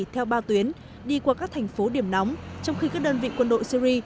theo ba tuyến đi qua các thành phố điểm nóng trong khi các đơn vị quân đội syri